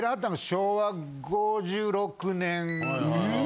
昭和５６年？